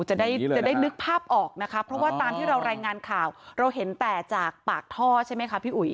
จะได้จะได้นึกภาพออกนะคะเพราะว่าตามที่เรารายงานข่าวเราเห็นแต่จากปากท่อใช่ไหมคะพี่อุ๋ย